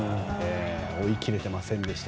追い切れてませんでした。